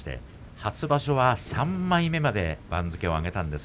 初場所は３枚目まで番付を上げました。